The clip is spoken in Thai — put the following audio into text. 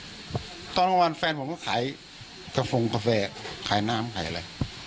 ตอนกลางวันแฟนผมก็ขายกระฟงกาแฟขายน้ำขายอะไร